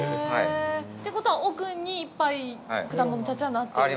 ってことは、奥にいっぱい果物たちがなってるってことで。